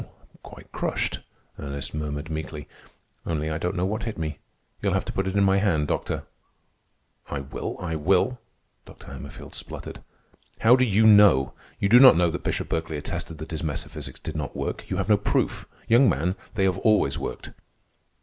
"I am quite crushed," Ernest murmured meekly. "Only I don't know what hit me. You'll have to put it in my hand, Doctor." "I will, I will," Dr. Hammerfield spluttered. "How do you know? You do not know that Bishop Berkeley attested that his metaphysics did not work. You have no proof. Young man, they have always worked."